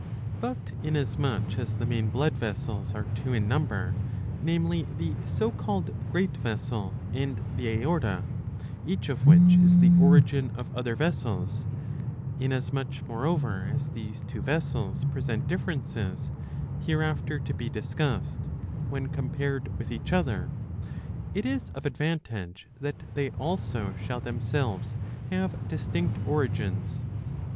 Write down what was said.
But inasmuch as the main blood vessels are two in number,^* namely the so called great vessel and the aorta, each of 666b. 70 ^ lii. 4. which is the origin of other vessels ; inasmuch, moreover, as these two vessels present differences, hereafter to be discussed, when" compared with each other, it is of advantage that they also shall themselves have distinct origins.